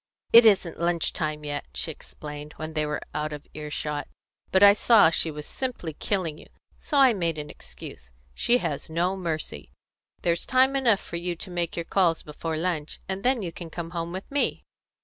"It isn't lunch time yet," she explained, when they were out of earshot, "but I saw she was simply killing you, and so I made the excuse. She has no mercy. There's time enough for you to make your calls before lunch, and then you can come home with me."